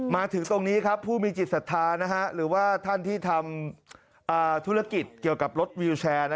มาถึงตรงนี้ครับผู้มีจิตศรัทธาหรือว่าท่านที่ทำธุรกิจเกี่ยวกับรถวิวแชร์